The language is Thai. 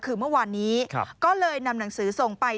คือเมื่อวานนี้ก็เลยนำหนังสือส่งไป